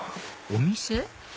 お店？